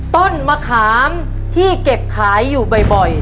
ต้นมะขามที่เก็บขายอยู่บ่อย